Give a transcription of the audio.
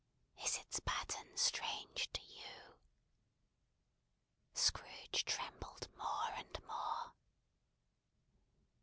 Is its pattern strange to you?" Scrooge trembled more and more.